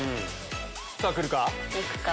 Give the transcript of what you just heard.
さぁ来るか？